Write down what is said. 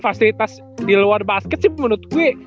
fasilitas di luar basket sih menurut gue